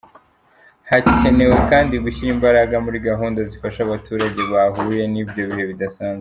Hakenewe kandi gushyira imbaraga muri gahunda zifasha abaturage bahuye n’ibyo bihe bidasanzwe.